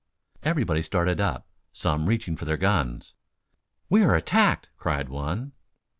Everybody started up, some reaching for their guns. "We are attacked!" cried one.